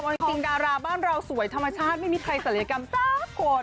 จริงดาราบ้านเราสวยธรรมชาติไม่มีใครศัลยกรรมสักคน